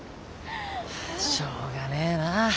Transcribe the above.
しょうがねえな。